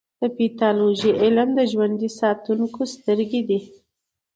د پیتالوژي علم د ژوند ساتونکې سترګې دي.